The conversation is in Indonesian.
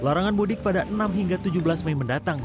larangan mudik pada enam hingga tujuh belas mei mendatang